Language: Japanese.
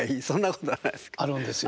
あるんですよ。